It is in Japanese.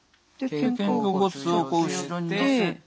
肩甲骨を後ろに寄せて。